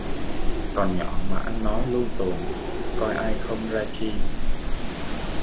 Còn nhỏ mà ăn nói luông tuồng, coi ai không ra chi